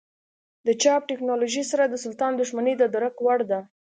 د چاپ ټکنالوژۍ سره د سلطان دښمني د درک وړ ده.